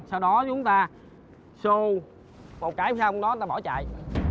sau đó chúng ta xô một cái xong chúng ta bỏ chạy